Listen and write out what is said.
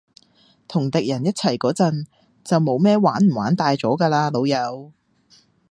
同敵人一齊嗰陣，就冇咩玩唔玩大咗㗎喇，老友